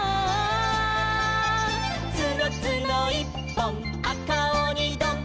「つのつのいっぽんあかおにどん」